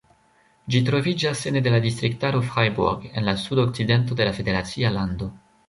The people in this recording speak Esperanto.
Ĝi troviĝas ene de la distriktaro Freiburg, en la sudokcidento de la federacia lando.